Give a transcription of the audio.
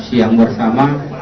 dan juga dengan santan